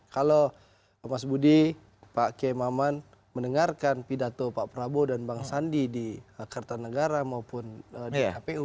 kalau mas budi pak kiai maman mendengarkan pidato pak prabowo dan bang sandi di kertanegara maupun di kpu